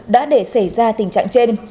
đã để xảy ra tình trạng trên